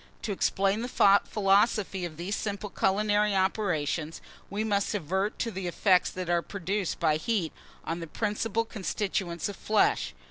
To explain the philosophy of these simple culinary operations, we must advert to the effects that are produced by heat on the principal constituents of flesh.